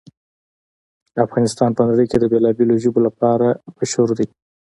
افغانستان په نړۍ کې د بېلابېلو ژبو لپاره مشهور دی.